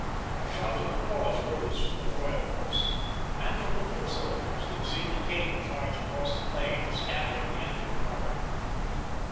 A shout of applause rose from the Royal Horse, and from the foot soldiers who had seen the king charge across the plain, scattering the enemy before him.